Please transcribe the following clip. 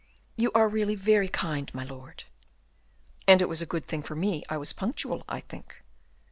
"You are really very kind, my lord." "And it was a good thing for me I was punctual, I think."